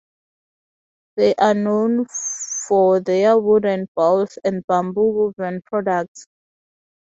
They are known for their wooden bowls and bamboo woven products.